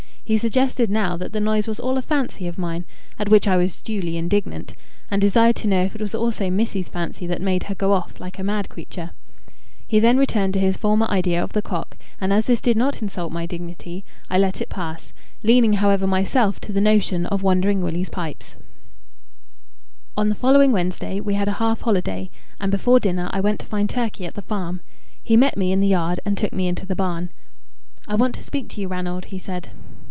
He suggested now that the noise was all a fancy of mine at which I was duly indignant, and desired to know if it was also Missy's fancy that made her go off like a mad creature. He then returned to his former idea of the cock, and as this did not insult my dignity, I let it pass, leaning however myself to the notion of Wandering Willie's pipes. On the following Wednesday we had a half holiday, and before dinner I went to find Turkey at the farm. He met me in the yard, and took me into the barn. "I want to speak to you, Ranald," he said.